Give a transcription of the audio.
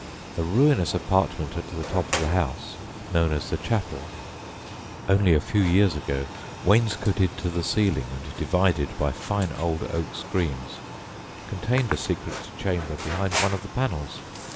A ruinous apartment at the top of the house, known as "the chapel" (only a few years ago wainscoted to the ceiling and divided by fine old oak screen), contained a secret chamber behind one of the panels.